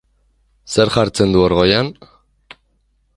Zer jartzen du hor goian?